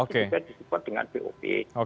tapi juga disupport dengan pop